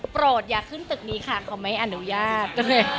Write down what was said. อย่าขึ้นตึกนี้ค่ะเขาไม่อนุญาต